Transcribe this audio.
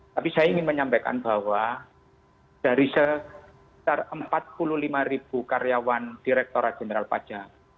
tapi saya ingin menyampaikan bahwa dari sekitar empat puluh lima ribu karyawan direkturat jenderal pajak